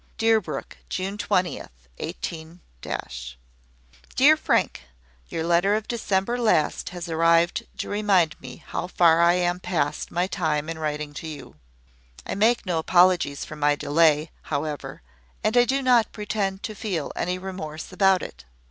"Deerbrook, June 20th, 18 . "Dear Frank, Your letter of December last has arrived to remind me how far I am past my time in writing to you. I make no apologies for my delay, however, and I do not pretend to feel any remorse about it.